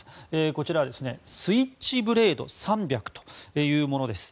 こちらはスイッチブレード３００というものです。